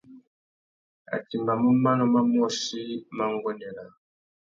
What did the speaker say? A timbamú manô mà môchï mà nguêndê râā.